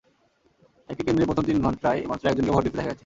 একটি কেন্দ্রে প্রথম তিন ঘণ্টায় মাত্র একজনকে ভোট দিতে দেখা গেছে।